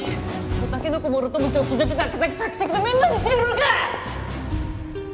子タケノコもろともジョッキジョキザックザクシャッキシャキのメンマにしてやろうか！